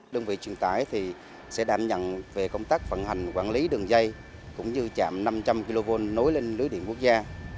đơn vị truyền tải thì sẽ đảm nhận về công tác vận hành quản lý đường dây cũng như chạm năm trăm linh kv nối lên lưới điện quốc gia